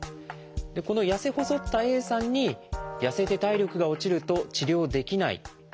このやせ細ったＡさんにやせて体力が落ちると治療できない。